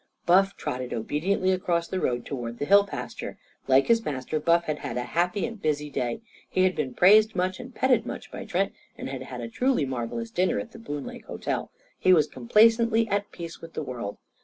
Buff trotted obediently across the road toward the hill pasture. Like his master, Buff had had a happy and busy day. He had been praised much and petted much by Trent, and had had a truly marvellous dinner at the Boone Lake Hotel. He was complacently at peace with the world.